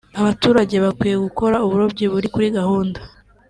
Abaturage bakwiye gukora uburobyi buri kuri gahunda